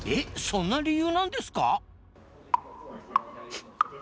そんな理由なんですか？